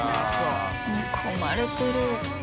煮込まれてる。